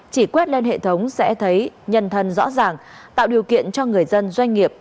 chỉ quét lên hệ thống sẽ thấy nhân thân rõ ràng tạo điều kiện cho người dân doanh nghiệp